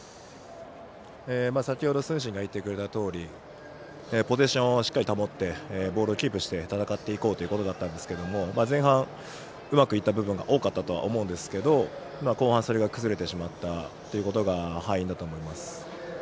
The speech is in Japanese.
先ほど承信が言ってくれたようにポゼッションをしっかり保ってボールをキープして戦っていこうということだったんですが前半、うまくいった部分が多かったと思うんですが後半それが崩れてしまったことが敗因だったと思います。